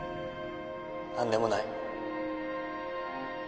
何でもない